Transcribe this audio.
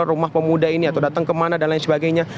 rumah pemuda ini atau datang kemana dan lain sebagainya